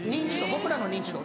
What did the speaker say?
僕らの認知度。